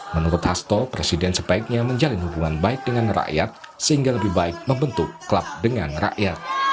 menurut hasto presiden sebaiknya menjalin hubungan baik dengan rakyat sehingga lebih baik membentuk klub dengan rakyat